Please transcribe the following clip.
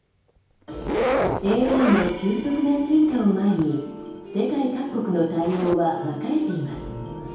ＡＩの急速な進化を前に世界各国の対応は分かれています。